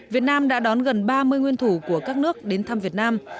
việt nam đã đón gần ba mươi nguyên thủ của các nước đến thăm việt nam